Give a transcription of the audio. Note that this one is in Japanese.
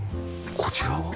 こちらは？